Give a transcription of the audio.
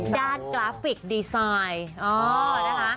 ด้านกราฟิกดีไซน์